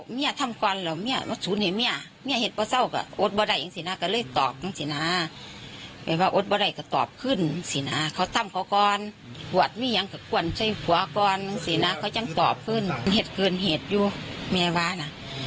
ไม่จะอาจว่ามีใครอยากจะเกิดที่ชายของเขาแท้หน้าครั้งสุดท้าย